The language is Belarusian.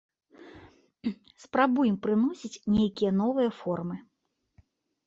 Спрабуем прыносіць нейкія новыя формы.